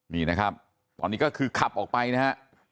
นี่นะครับตอนนี้ก็คือขับออกไปนะฮะ